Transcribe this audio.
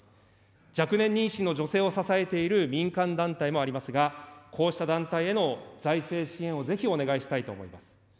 若年妊娠の女性を支えている民間団体もありますが、こうした団体への財政支援をぜひお願いしたいと思います。